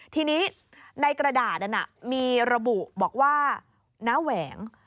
ทีนี้ในกระดาษนั้นมีระบุบอกว่าน้าแหวง